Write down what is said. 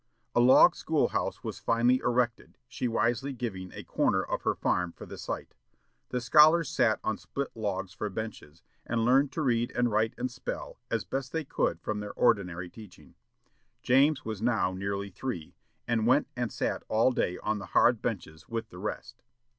A log school house was finally erected, she wisely giving a corner of her farm for the site. The scholars sat on split logs for benches, and learned to read and write and spell as best they could from their ordinary teaching. James was now nearly three, and went and sat all day on the hard benches with the rest.